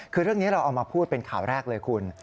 คือเรื่องนี้เราเอามาพูดเป็นข่าวแรกเลยคุณ